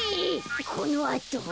このあとは？